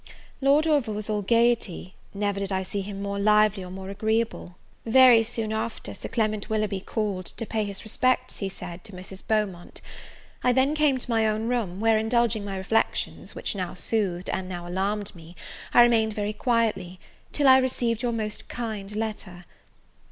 Lord Orville was all gaiety; never did I see him more lively or more agreeable. Very soon after, Sir Clement Willoughby called, to pay his respects, he said, to Mrs. Beaumont. I then came to my own room, where, indulging my reflections, which, now soothed, and now alarmed me, I remained very quietly, till I received your most kind letter.